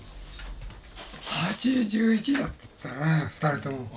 ８１だったな２人とも。